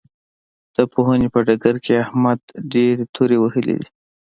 د پوهنې په ډګر کې احمد ډېرې تورې وهلې دي.